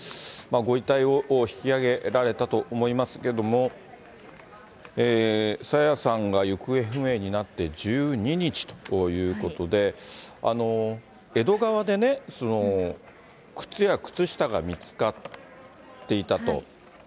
ご遺体を引き上げられたと思いますけれども、朝芽さんが行方不明になって１２日ということで、江戸川でね、靴や靴下が見つかっていたと。